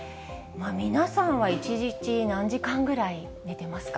皆さんは１日何時間ぐらい寝てますか？